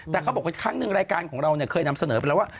แต่เขาบอกว่าครั้งหนึ่งรายการของเราเนี่ยเคยนำเสนอไปแล้วว่า